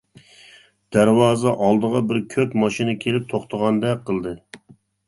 دەرۋازا ئالدىغا بىر كۆك ماشىنا كېلىپ توختىغاندەك قىلدى.